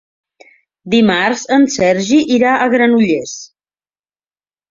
Dimarts en Sergi irà a Granollers.